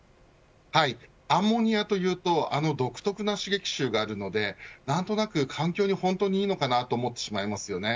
アンモニアというと独特な刺激臭があるので何となく環境にいいのかなと思ってしまいますよね。